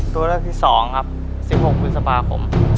ตัวเลือกที่๒ครับ๑๖พฤษภาคม